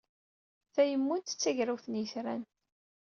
Tayemmunt d tagrawt n yitran.